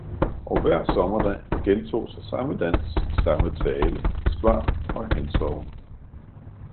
Og hver sommerdag gentog sig samme dans, samme tale, svar og hensoven.